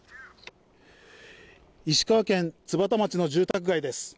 石川県津幡町の住宅街です。